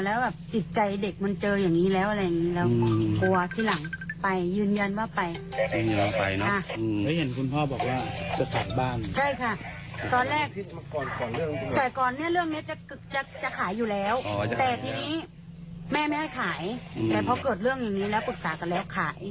แล้วก็จะยืนยังจะไม่อยู่แล้ว